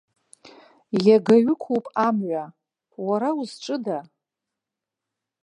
Иагаҩ ықәуп амҩа, уара узҿыда?